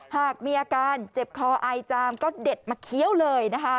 หากมีอาการเจ็บคออายจามก็เด็ดมาเคี้ยวเลยนะคะ